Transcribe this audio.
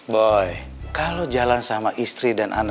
boy kalau jalan sama istri dan anak